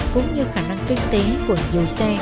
cũng như khả năng tinh tế của nhiều xe